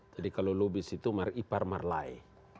jadi kalau lubis itu ipar marlai